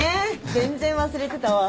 全然忘れてたわ。